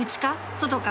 外か？